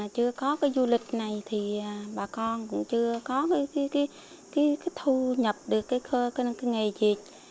chưa có du lịch này thì bà con cũng chưa có thu nhập được cái nghề dịch